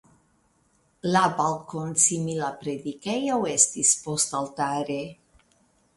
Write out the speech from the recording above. La balkonsimila predikejo estis postaltare.